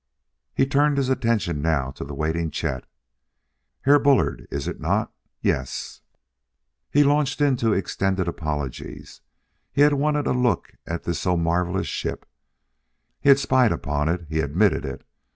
He turned his attention now to the waiting Chet. "Herr Bullard, iss it not yess?" He launched into extended apologies he had wanted a look at this so marvelous ship he had spied upon it; he admitted it.